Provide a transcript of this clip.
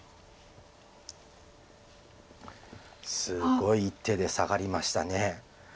すごい一手で下がりました。